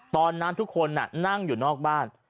ตอนนั้นทุกคนนั่งอยู่นอกบ้าน